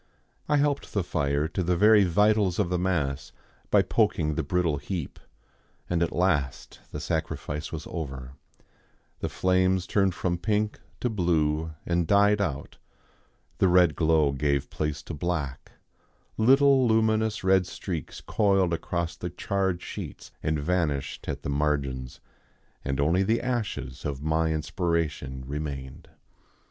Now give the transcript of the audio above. I helped the fire to the very vitals of the mass by poking the brittle heap, and at last the sacrifice was over, the flames turned from pink to blue and died out, the red glow gave place to black, little luminous red streaks coiled across the charred sheets and vanished at the margins, and only the ashes of my inspiration remained.